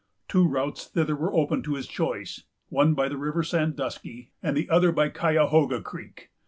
Two routes thither were open to his choice, one by the River Sandusky, and the other by Cayahoga Creek.